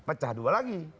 pecah dua lagi